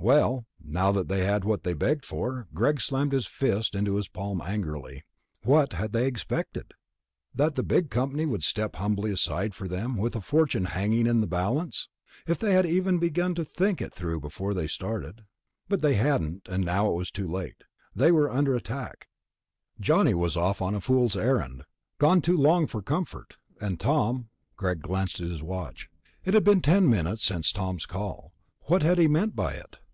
Well, now they had what they'd begged for. Greg slammed his fist into his palm angrily. What had they expected? That the big company would step humbly aside for them, with a fortune hanging in the balance? If they had even begun to think it through before they started.... But they hadn't, and now it was too late. They were under attack; Johnny was off on a fool's errand, gone too long for comfort, and Tom ... Greg glanced at his watch. It had been ten minutes since Tom's call. What had he meant by it?